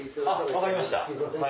分かりました。